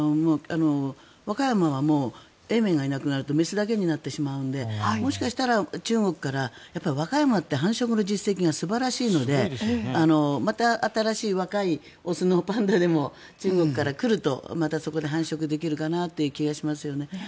和歌山はもう永明がいなくなると雌だけになってしまうのでもしかしたら中国からやっぱり和歌山って繁殖の実績が素晴らしいのでまた新しい、若い雄のパンダでも中国から来るとまたそこで繁殖できるかなという気がしますよね。